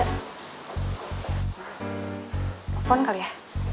telepon kali ya